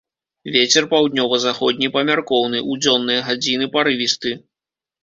Вецер паўднёва-заходні памяркоўны, у дзённыя гадзіны парывісты.